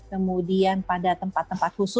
kemudian pada tempat tempat khusus